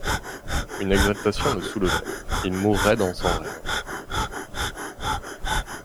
Une exaltation le soulevait, il mourait dans son rêve.